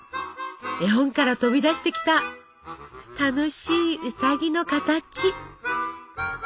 絵本から飛び出してきた楽しいウサギの形。